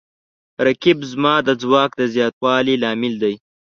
رقیب زما د ځواک د زیاتوالي لامل دی